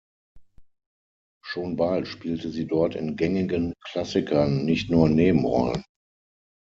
Schon bald spielte sie dort in gängigen Klassikern nicht nur Nebenrollen.